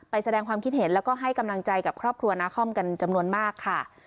แสดงความคิดเห็นแล้วก็ให้กำลังใจกับครอบครัวนาคอมกันจำนวนมากค่ะ